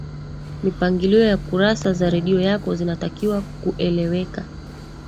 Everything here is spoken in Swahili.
mipangilio ya kurasa za redio yako zinatakiwa kueleweka